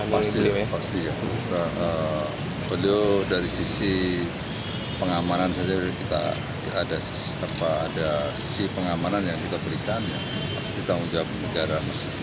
pasti ya pasti ya beliau dari sisi pengamanan saja dari sisi pengamanan yang kita berikan pasti tanggung jawab negara